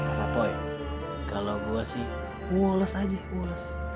apa poin kalau gue sih woles aja ules